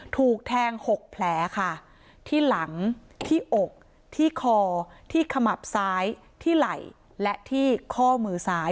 ถูกแทง๖แผลค่ะที่หลังที่อกที่คอที่ขมับซ้ายที่ไหล่และที่ข้อมือซ้าย